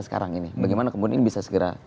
sekarang ini bagaimana kemudian ini bisa segera